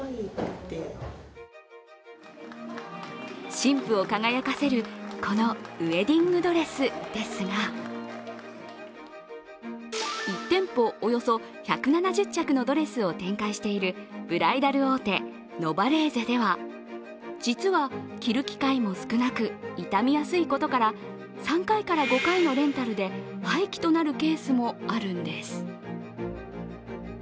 新婦を輝かせる、このウエディングドレスですが１店舗およそ１７０着のドレスを展開しているブライダル大手ノバレーゼでは実は、着る機会も少なく傷みやすいことから３回から５回のレンタルで廃棄となるケースもあるんです。